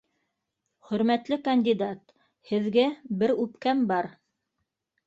Хөрмәтле кандидат, һеҙгә бер үпкәм бар